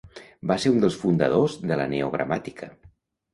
Va ser un dels fundadors de la neogramàtica.